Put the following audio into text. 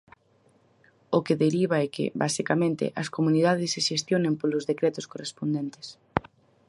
O que deriva é que, basicamente, as comunidades se xestionen polos decretos correspondentes.